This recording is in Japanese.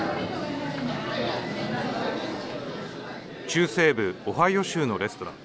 中西部オハイオ州のレストラン。